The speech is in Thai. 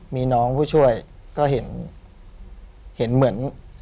มีน้องผู้ช่วยก็เห็นเหมือน